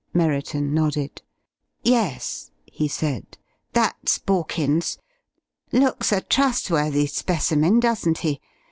Merriton nodded. "Yes," he said, "that's Borkins. Looks a trustworthy specimen, doesn't he?